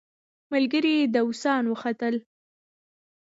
ملګري داووسان وختل.